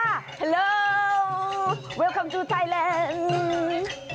ฮัลโหลเวลคอมทูไทยแลนด์